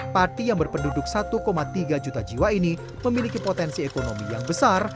pati yang berpenduduk satu tiga juta jiwa ini memiliki potensi ekonomi yang besar